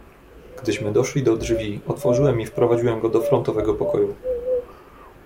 "Gdyśmy doszli do drzwi, otworzyłem i wprowadziłem go do frontowego pokoju."